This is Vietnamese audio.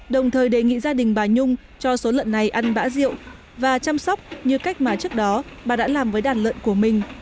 đồng thời đề nghị gia đình bà nhung cho số lợn này ăn bã rượu và chăm sóc như cách mà trước đó bà đã làm với đàn lợn của mình